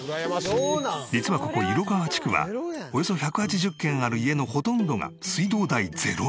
実はここ色川地区はおよそ１８０軒ある家のほとんどが水道代０円。